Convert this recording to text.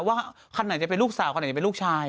ว่าคันไหนจะเป็นลูกสาวคันไหนจะเป็นลูกชาย